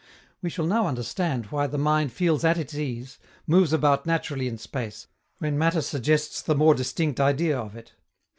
We shall now understand why the mind feels at its ease, moves about naturally in space, when matter suggests the more distinct idea of it.